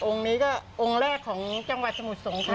นี้ก็องค์แรกของจังหวัดสมุทรสงคราม